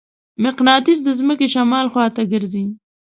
مقناطیس د ځمکې شمال خواته ګرځي.